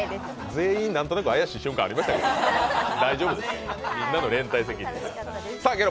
全員、何となく怪しい瞬間ありましたから大丈夫です、みんなの連帯責任です。